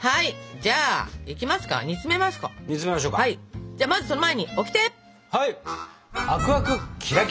じゃあまずその前にオキテ！